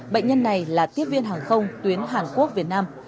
bệnh nhân này là tiếp viên hàng không tuyến hàn quốc việt nam